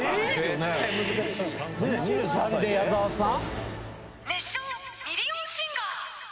２３で矢沢さん？